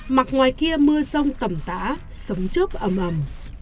mặt ngoài kia mưa rông tẩm tả sống chấp ấm ấm